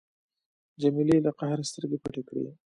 جمیلې له قهره سترګې پټې کړې.